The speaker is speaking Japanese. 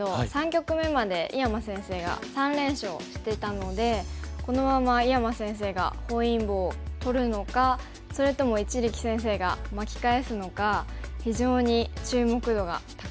３局目まで井山先生が３連勝していたのでこのまま井山先生が本因坊を取るのかそれとも一力先生が巻き返すのか非常に注目度が高かったですね。